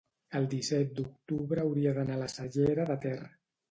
el disset d'octubre hauria d'anar a la Cellera de Ter.